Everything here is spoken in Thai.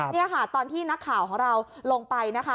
นี่ค่ะตอนที่นักข่าวของเราลงไปนะคะ